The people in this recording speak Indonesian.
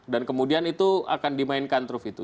dan kemudian itu akan dimainkan truf itu